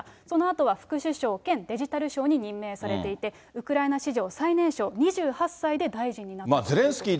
そのあとは副首相兼デジタル相に任命されていて、ウクライナ史上最年少２８歳で大臣になったということです。